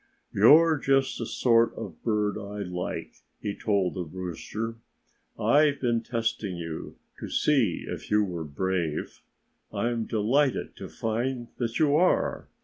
"You're just the sort of bird I like," he told the rooster. "I've been testing you to see if you were brave. I'm delighted to find that you are.